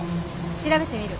調べてみる。